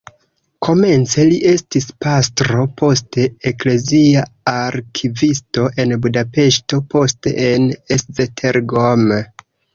Komence li estis pastro, poste eklezia arkivisto en Budapeŝto, poste en Esztergom.